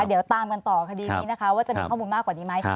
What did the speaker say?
เดี๋ยวตามกันต่อคดีนี้นะคะว่าจะมีข้อมูลมากกว่านี้ไหม